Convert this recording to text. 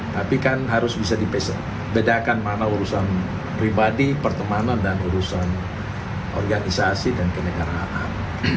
tapi kan harus bisa dibedakan mana urusan pribadi pertemanan dan urusan organisasi dan kenegaraan